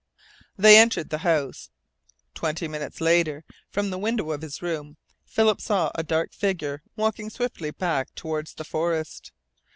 They entered the house. Twenty minutes later, from the window of his room, Philip saw a dark figure walking swiftly back toward the forest.